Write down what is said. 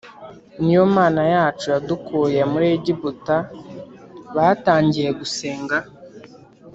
ni yo Mana yacu yadukuye muri Egiputa Batangiye gusenga